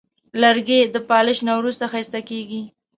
لرګی د پالش نه وروسته ښایسته کېږي.